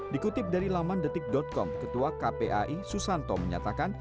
dikutip dari laman detik com ketua kpai susanto menyatakan